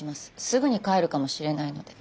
すぐに帰るかもしれないので。